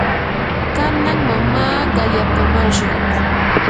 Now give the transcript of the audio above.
kanan mamaa qayapamashqa